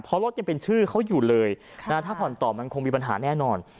เพราะรถยังเป็นชื่อเขาอยู่เลยถ้าผ่อนต่อมันคงมีปัญหาแน่นอน